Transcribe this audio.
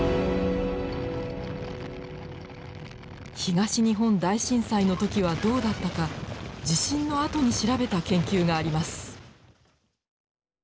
東日本大震災の時はどうだったか地震のあとに調べた研究があります。